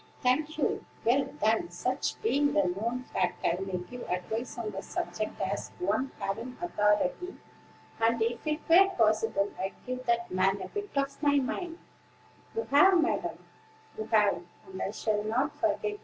"Thank you: well, then, such being the known fact, I may give advice on the subject as one having authority; and, if it were possible, I'd give that man a bit of my mind." "You have, madam, you have; and I shall not forget it.